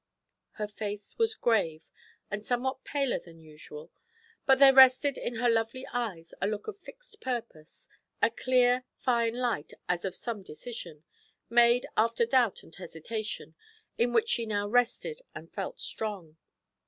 Her face was grave and somewhat paler than usual, but there rested in her lovely eyes a look of fixed purpose, a clear, fine light as of some decision, made after doubt and hesitation, in which she now rested and felt strong.